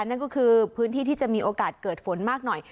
นั่นก็คือพื้นที่ที่จะมีโอกาสเกิดฝนมากหน่อย